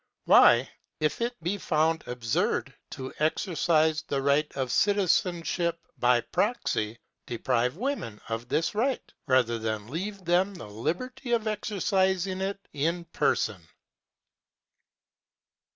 Why, if it be found absurd to exercise the right of citizenship by proxy, deprive women of this right, rather than leave them the liberty of exercising it in person?